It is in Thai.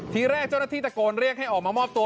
ทีแรกเจ้าหน้าที่ตะโกนเรียกให้ออกมามอบตัว